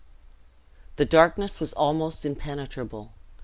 The darkness was almost impenetrable.